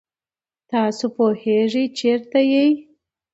تاسو پوهېږئ چېرته یئ؟